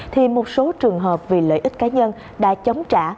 thì một số trường hợp vì lợi ích cá nhân đã chống trả